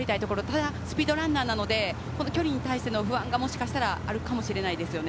ただスピードランナーなので、距離に対しての不安がもしかしたらあるかもしれないですね。